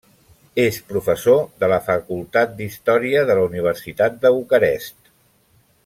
És professor de la Facultat d'Història de la Universitat de Bucarest.